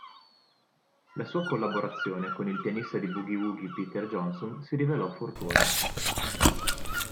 La sua collaborazione con il pianista di boogie-woogie Pete Johnson si rivelò fruttuosa.